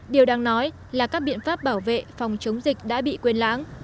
điều đang nói là các biện pháp bảo vệ phòng chống dịch đã bị quên lãng